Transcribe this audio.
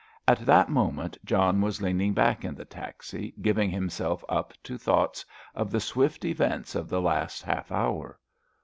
At that moment John was leaning back in the taxi, giving himself up to thoughts of the swift events of the last half hour.